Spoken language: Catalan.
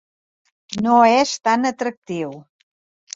No és tan atractiu.